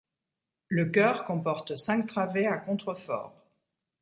Le chœur comporte cinq travées à contreforts.